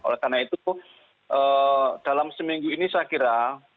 oleh karena itu dalam seminggu ini saya kira